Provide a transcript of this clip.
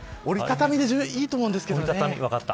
折り畳みでいいと思うんですけどね。